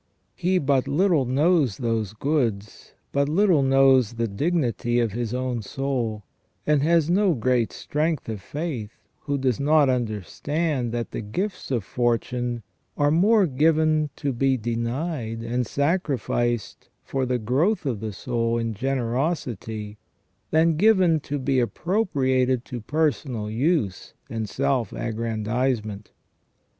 He but little knows those goods, but little knows the dignity of his own soul, and has no great strength of faith, who does not understand that the gifts of fortune are more given to be denied and sacrificed for the growth of the soul in generosity than given to be appropriated to personal use and self aggrandisement.